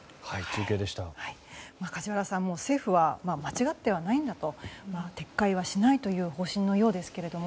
梶原さん、政府は間違ってはいないんだと撤回はしないという方針のようですけれども。